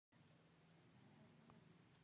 پابندي غرونه د افغانستان په هره برخه کې موندل کېږي.